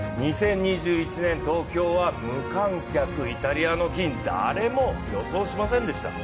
２０２１年東京は無観客、イタリアの金誰も予想しませんでした。